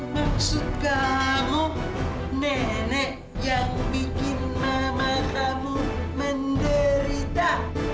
maksud kamu nenek yang bikin mama tamu menderita